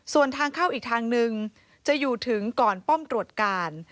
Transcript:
ส่วนทางเข้าอีกทางนึงจะอยู่ถึงก่อนป้อมตรวจการ